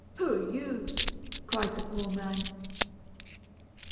"Who are you?" cried the poor man.